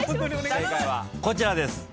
正解はこちらです。